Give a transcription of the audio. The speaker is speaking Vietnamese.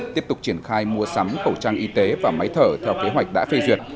tiếp tục triển khai mua sắm khẩu trang y tế và máy thở theo kế hoạch đã phê duyệt